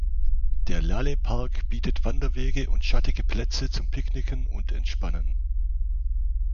Der Laleh Park bietet Wanderwege und schattige Plätze zum Picknicken und Entspannen.